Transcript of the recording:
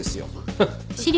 フッ。